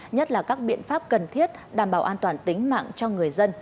nhất là các biện pháp cần thiết đảm bảo an toàn tính mạng cho người dân